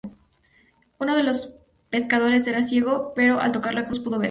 Uno de los pescadores era ciego, pero al tocar la cruz pudo ver.